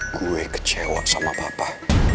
gue kecewa sama papa